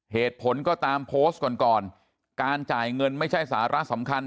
เหตุผลก็ตามโพสต์ก่อนก่อนการจ่ายเงินไม่ใช่สาระสำคัญ